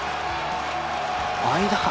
間か。